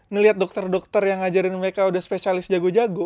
ngelihat dokter dokter yang ngajarin mereka udah spesialis jago jago